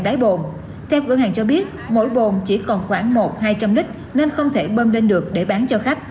đáy bồn theo cửa hàng cho biết mỗi bồn chỉ còn khoảng một hai trăm linh lít nên không thể bơm lên được để bán cho khách